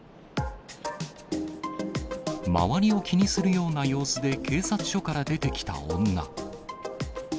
周りを気にするような様子で警察署から出てきた女。